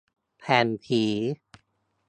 แผ่นผี